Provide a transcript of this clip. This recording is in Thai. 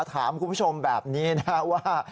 ถามคุณผู้ชมแบบนี้นะว่า